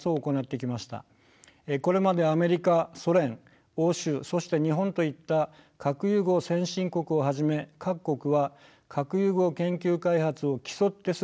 これまでアメリカソ連欧州そして日本といった核融合先進国をはじめ各国は核融合研究開発を競って進めてきました。